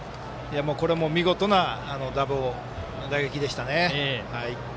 これも見事な打棒、打撃でしたね。